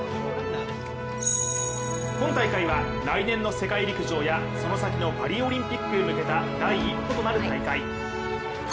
今大会は来年の世界陸上やその先のパリオリンピックへ向けた第一歩となる大会。